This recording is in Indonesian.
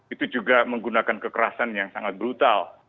itu juga menggunakan kekerasan yang sangat brutal